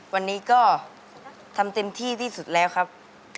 วันนี้ก็ทำเต็มที่ที่สุดแล้วครับ